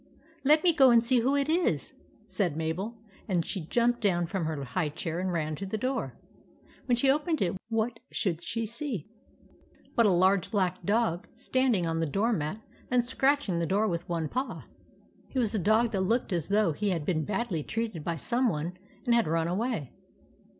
" Let me go and see who it is," said Mabel ; and she jumped down from her high chair and ran to the door. When she opened it what should she see but a large black dog standing on the door mat and scratching the door with one paw. THE ROBBERS 41 He was a dog that looked as though he had been badly treated by some one and had run away.